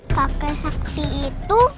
kakek sakti itu